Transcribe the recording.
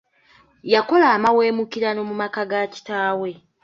Yakola amaweemukirano mu maka ga kitaawe.